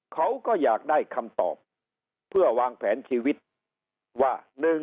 เขาก็อยากได้คำตอบเพื่อวางแผนชีวิตว่า